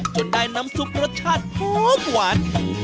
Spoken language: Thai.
จนได้น้ำซุปรสชาติหอมหวาน